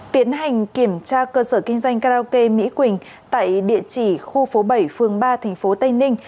tiến hành kiểm tra cơ sở kinh doanh karaoke mỹ quỳnh tại địa chỉ khu phố bảy phương ba thành phố tây ninh